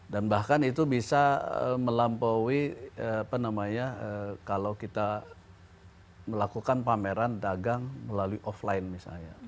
dan bahkan itu bisa melampaui apa namanya kalau kita melakukan pameran dagang melalui offline misalnya